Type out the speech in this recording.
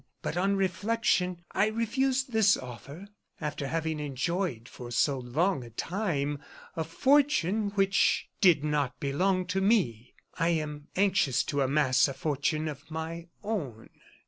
But on reflection I refused this offer. After having enjoyed for so long a time a fortune which did not belong to me, I am anxious to amass a fortune of my own."